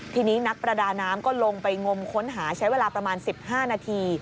ทีนี้นักประดาน้ำก็ลงไปงมค้นหาใช้เวลาประมาณ๑๕นาที